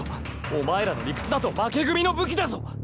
お前らの理屈だと負け組の武器だぞ。